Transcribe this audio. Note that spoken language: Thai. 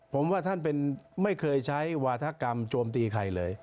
ผมว่าท่านไม่เคยใช้วาธกรรมโจมตีใครเลย